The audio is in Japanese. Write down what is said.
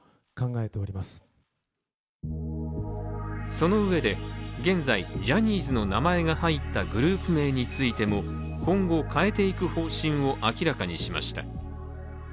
そのうえで現在「ジャニーズ」の名前が入ったグループ名についても、今後、変えていく方針を明らかにしました。